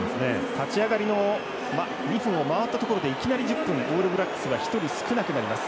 立ち上がりの２分を回ったところでいきなり１０分オールブラックスは１人少なくなります。